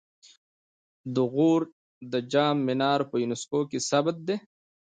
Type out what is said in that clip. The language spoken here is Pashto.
د غور د جام منار په یونسکو کې ثبت دی